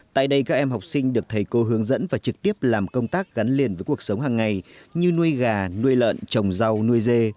tại đây các em học sinh được thầy cô hướng dẫn và trực tiếp làm công tác gắn liền với cuộc sống hàng ngày như nuôi gà nuôi lợn trồng rau nuôi dê